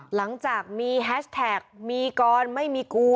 หลังจากมีแฮชแท็กมีกรไม่มีกู